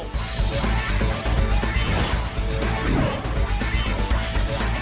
การด่วนกลิ่นของปั๊กฮังซอร์กับอักกิราณิชชิโนคุณซือทีมชาติไทยเจอกันมา๓ครั้ง